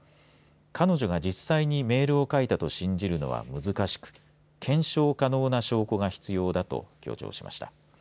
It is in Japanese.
彼女が実際にメールを書いたと信じるのは難しく検証可能な証拠が必要だと強調しました。